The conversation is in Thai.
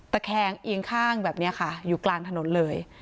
แคงเอียงข้างแบบนี้ค่ะอยู่กลางถนนเลย